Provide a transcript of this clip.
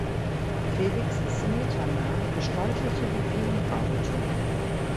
Felix Smetana gestaltete die Filmbauten.